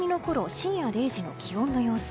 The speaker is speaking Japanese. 深夜０時の気温の様子。